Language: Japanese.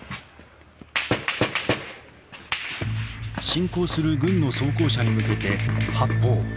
侵攻する軍の装甲車に向けて発砲。